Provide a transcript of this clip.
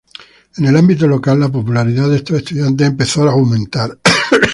En el ámbito local, la popularidad de estos estudiantes empezó a aumentar.